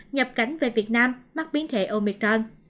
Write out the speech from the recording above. nhập cảnh về việt nam mắc biến thể omicron